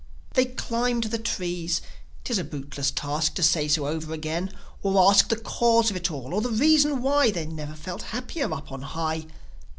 They climbed the trees. 'Tis a bootless task To say so over again, or ask The cause of it all, or the reason why They never felt happier up on high.